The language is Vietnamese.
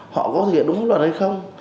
họ có thực hiện đúng pháp luật hay không